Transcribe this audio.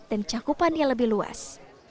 dan cakupannya lebih luas